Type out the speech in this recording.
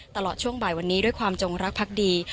ตลอดช่วงบ่ายวันนี้ด้วยความจงรักพักดี